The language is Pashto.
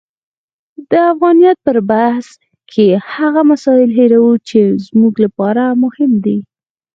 د افغانیت پر بحث کې هغه مسایل هیروو چې زموږ لپاره مهم دي.